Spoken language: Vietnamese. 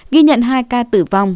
ghi nhận hai ca tử vong